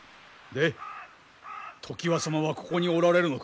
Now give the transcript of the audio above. で常磐様はここにおられるのか？